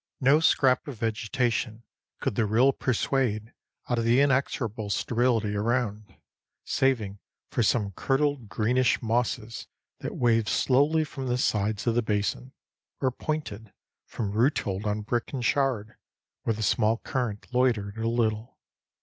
No scrap of vegetation could the rill persuade out of the inexorable sterility around, saving for some curdled greenish mosses that waved slowly from the sides of the basin, or pointed from root hold on brick and shard, where the small current loitered a little.